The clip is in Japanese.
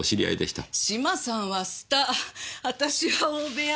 島さんはスター私は大部屋。